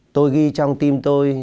tôi ghi trong tim tôi